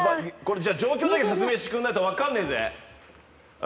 状況だけ説明してくれないと分からねえぜ。